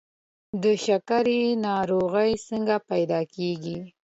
د شکر ناروغي څنګه پیدا کیږي؟